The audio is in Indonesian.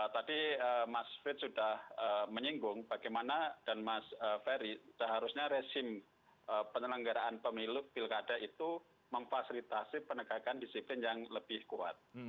tadi mas fit sudah menyinggung bagaimana dan mas ferry seharusnya resim penyelenggaraan pemilu pilkada itu memfasilitasi penegakan disiplin yang lebih kuat